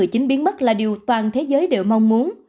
chính biến mất là điều toàn thế giới đều mong muốn